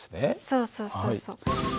そうそうそうそう。